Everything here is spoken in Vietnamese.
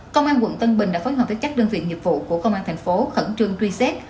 công an quận tân bình đã phối hợp với các đơn vị nhiệm vụ của công an tp khẩn trương truy xét